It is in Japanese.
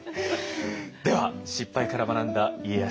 では失敗から学んだ家康